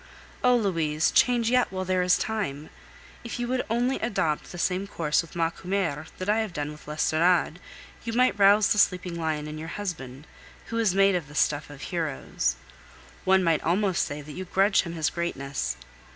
Oh! Louise, change yet, while there is still time. If you would only adopt the same course with Macumer that I have done with l'Estorade, you might rouse the sleeping lion in your husband, who is made of the stuff of heroes. One might almost say that you grudge him his greatness.